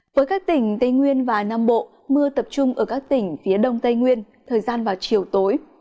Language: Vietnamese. với các tỉnh tây nguyên và nam bộ mưa tập trung ở các tỉnh phía đông tây nguyên thời gian vào chiều tối